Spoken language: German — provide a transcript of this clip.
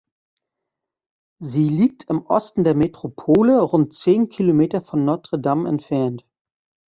Sie liegt im Osten der Metropole rund zehn Kilometer von Notre Dame entfernt.